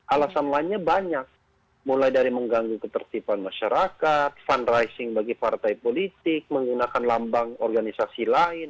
alasan lainnya banyak mulai dari mengganggu ketertiban masyarakat fundraising bagi partai politik menggunakan lambang organisasi lain